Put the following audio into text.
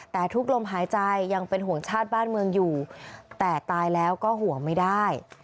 แต่ทุกลมหายใจยังเป็นห่วงชาติบ้านเมืองอยู่แต่ตายแล้วก็ห่วงไม่ได้